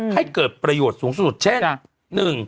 ให้เกิดประโยชน์สูงสุดเช่น